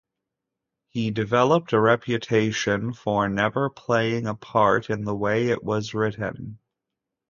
He developed a reputation for never playing a part the way it was written.